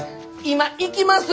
今行きます！